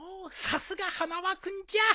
さすが花輪君じゃ。